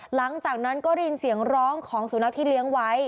หลังจากนั้นก็ได้ยินเสียงร้องของสุนัขที่เลี้ยงไว้